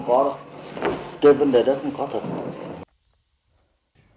cái vấn đề đó không có thật